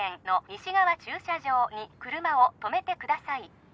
西側駐車場に車を止めてください